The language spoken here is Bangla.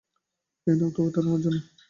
এই নাও, এটা তোমার জন্য।